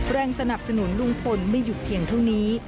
แรงสนับสนุนลุงพลไม่หยุดเพียงเท่านี้